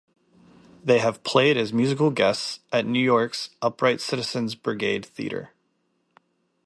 They have played as musical guests at New York's Upright Citizens Brigade Theatre.